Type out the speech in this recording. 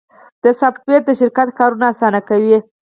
دا سافټویر د شرکت کارونه اسانه کوي.